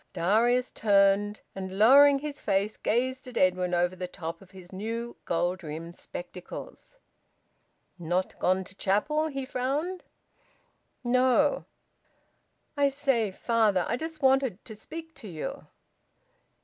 Darius turned and, lowering his face, gazed at Edwin over the top of his new gold rimmed spectacles. "Not gone to chapel?" he frowned. "No! ... I say, father, I just wanted to speak to you."